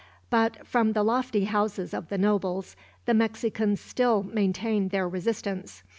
But from the lofty houses of the nobles, the Mexicans still maintained their resistance.